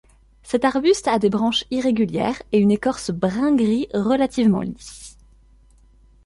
Cet arbuste a des branches irrégulières, et une écorce brun-gris, relativement lisse.